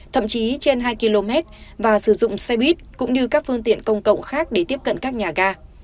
thậm chí trên hai km và sử dụng xe buýt cũng như các phương tiện công cộng khác để tiếp cận các nhà ga